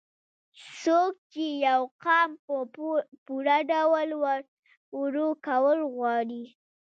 څوک چې يو قام په پوره ډول وروکول غواړي